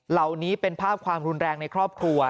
เหล่านี้เป็นภาพความรุนแรงในครอบครัว